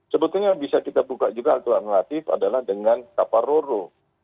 sebetulnya bisa kita buka juga alternatif adalah dengan kapal ro ro